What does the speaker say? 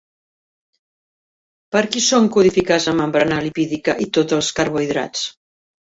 Per qui són codificats la membrana lipídica i tots els carbohidrats?